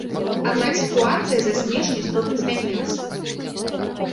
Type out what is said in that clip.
Аднак сітуацыя за снежань істотна змянілася.